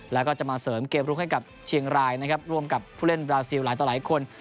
แล้วก็จะมาเสริมเกมลุกให้กับเชียงรายนะครับร่วมกับผู้เล่นบราซิลหลายต่อหลายคน